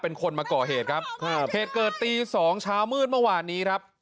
เป็นคนมาก่อเหตุครับครับเหตุเกิดตีสองเช้ามืดเมื่อวานนี้ครับ